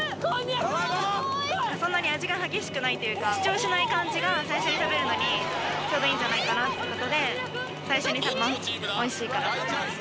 そんなに味が激しくないというか、主張しない感じが最初に食べるのにちょうどいいんじゃないかということで、最初に食べます、おいしいから。